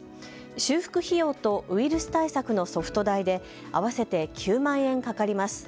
修復費用とウイルス対策のソフト代で合わせて９万円かかります。